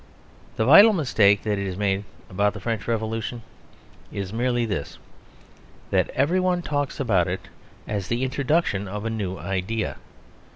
The vital mistake that is made about the French Revolution is merely this that everyone talks about it as the introduction of a new idea.